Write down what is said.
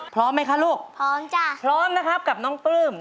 พร้อมไหมคะลูกพร้อมจ้ะพร้อมนะครับกับน้องปลื้ม